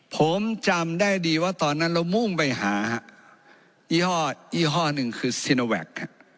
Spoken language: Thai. ผมจำได้ดีว่าตอนนั้นเรามุ่งไปหายี่ห้อยี่ห้อหนึ่งคือซีโนแวค